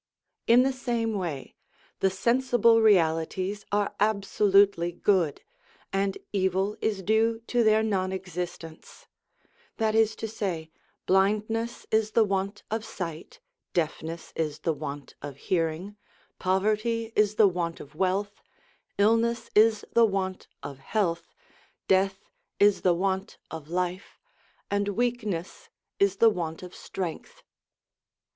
In the same way, the sensible realities are absolutely good, and evil is due to their non existence ; that is to say, blindness is the want of sight, deafness is the want 801 302 SOME ANSWERED QUESTIONS of hearing, poverty is the want of wealth, illness is the want of health, death is the want of life, and weakness is the want of strength.